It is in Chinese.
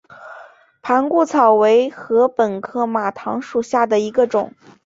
盘固草为禾本科马唐属下的一个种。